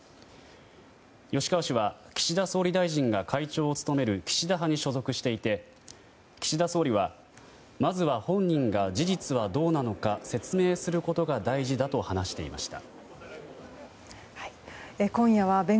吉川氏は岸田総理大臣が会長を務める岸田派に所属していて岸田総理はまずは本人が事実はどうなのか説明することが大事だと話していました。